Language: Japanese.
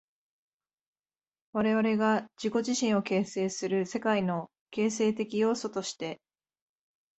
我々が自己自身を形成する世界の形成的要素として、